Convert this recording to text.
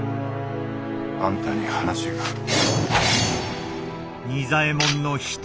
あんたに話がある。